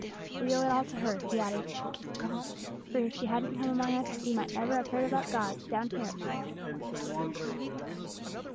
We owe it all to her," he added, as he kissed Tiny, "for if she hadn't come among us, we might never have heard about God down here at Bermuda Point."